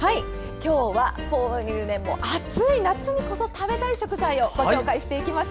今日は暑い夏にこそ食べたい食材をご紹介していきます。